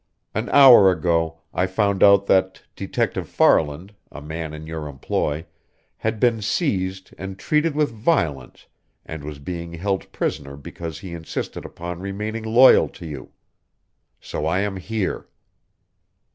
An hour ago, I found out that Detective Farland, a man in your employ, had been seized and treated with violence and was being held prisoner because he insisted upon remaining loyal to you. So I am here!"